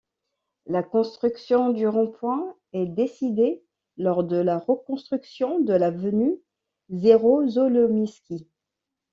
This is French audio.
La construction du rond-point est décidée lors de la reconstruction de l'avenue Jerozolimskie.